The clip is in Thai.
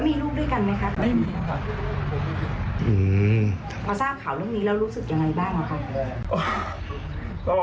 ไม่มีค่ะอืมพอทราบข่าวเรื่องนี้แล้วรู้สึกยังไงบ้างอ่ะค่ะ